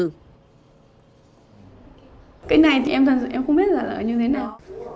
cái này thì em không biết là như thế nào